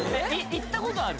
行ったことある？